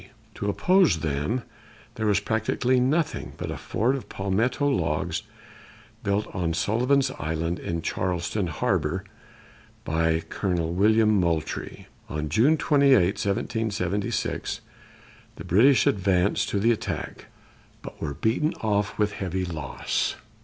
To oppose them there was practically nothing but a fort of palmetto logs built on Sullivan's Island in Charleston harbor by Colonel William Moultrie. On June 28, 1776, the British advanced to the attack, but were beaten off with heavy loss.